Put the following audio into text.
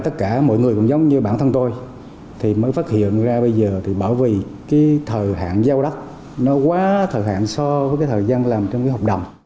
tất cả mọi người cũng giống như bản thân tôi thì mới phát hiện ra bây giờ thì bởi vì cái thời hạn giao đất nó quá thời hạn so với cái thời gian làm trong cái hợp đồng